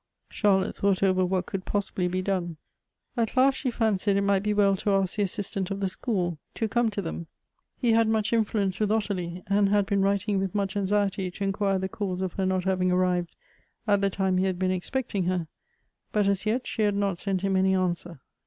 Charlotte thought over what coulJ possibly be done. At last she fancied it might be well to ask the Assistant of the school to come to them. He had much influence with Ottilie, and had been writ ing with much anxiety to inquire the cxuse of her not having arrived at the time he had been expecting her; but as yet she had not sent him any answer.